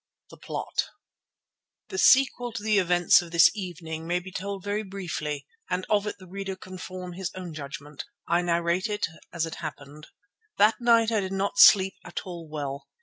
THE PLOT The sequel to the events of this evening may be told very briefly and of it the reader can form his own judgment. I narrate it as it happened. That night I did not sleep at all well.